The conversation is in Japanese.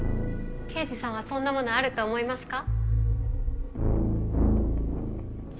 刑事さんはそんなものあると思いますか？